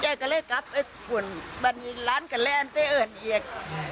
ยายก็เลยกลับไปคุณบานนี้แล้วไปเอาอันเอก